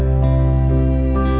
aku mau ke sana